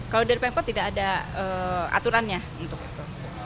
kalau dari pemkot tidak ada aturannya untuk itu